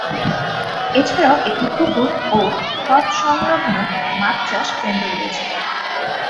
এছাড়াও একটি পুকুর ও তৎসংলগ্ন মাছ চাষ কেন্দ্র রয়েছে।